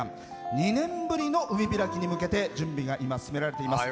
２年ぶりの海開きに向けて準備が今、進められています。